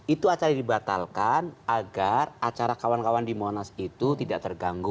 itu acara dibatalkan agar acara kawan kawan di monas itu tidak terganggu